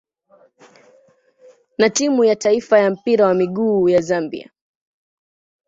na timu ya taifa ya mpira wa miguu ya Zambia.